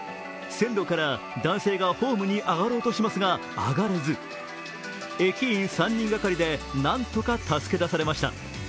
線路から男性がホームに上がろうとしますが上がれず、駅員３人がかりでなんとか助け出されました。